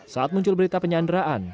saat muncul berita penyanderaan